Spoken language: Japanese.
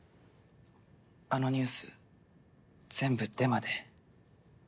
あのニュース全部デマで。